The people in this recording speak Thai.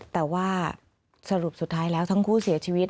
แต่ว่าสรุปสุดท้ายแล้วทั้งคู่เสียชีวิต